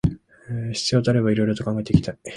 必要とあれば色々と考えていきたい